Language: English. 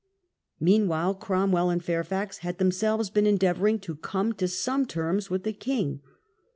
Meanwhile Cromwell and Fairfax <>» London, had themselves been endeavouring to come to some terms with the king.